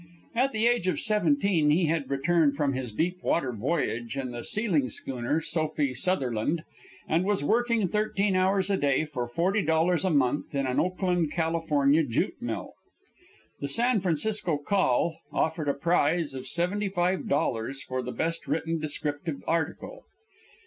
At the age of seventeen he had returned from his deep water voyage in the sealing schooner Sophie Sutherland, and was working thirteen hours a day for forty dollars a month in an Oakland, California, jute mill. The San Francisco Call offered a prize of twenty five dollars for the best written descriptive article.